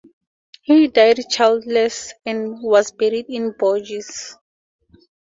He died childless and was buried in Bourges.